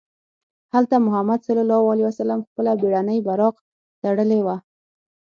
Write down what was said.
هلته محمد صلی الله علیه وسلم خپله بېړنۍ براق تړلې وه.